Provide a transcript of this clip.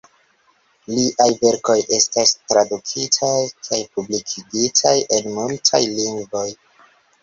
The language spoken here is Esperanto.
Liaj verkoj estas tradukitaj kaj publikigitaj en multaj lingvoj.